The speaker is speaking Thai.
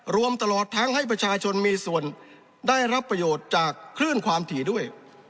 รวมตลอดทั้งให้ประชาชนมีส่วนได้รับประโยชน์จากคลื่นความถี่ด้วย